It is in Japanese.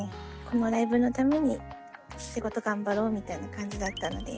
このライブのために仕事頑張ろうみたいな感じだったので。